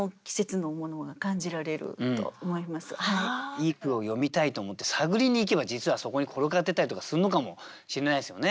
いい句を詠みたいと思って探りにいけば実はそこに転がってたりとかするのかもしれないですよね。